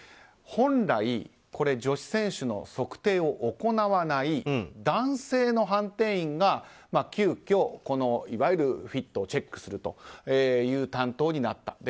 本来、女子選手の測定を行わない男性の判定員が急きょ、フィットをチェックする担当になった。